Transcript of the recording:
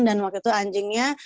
dan waktu itu anjingnya